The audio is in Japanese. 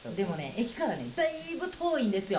駅からねだいぶ遠いんですよ。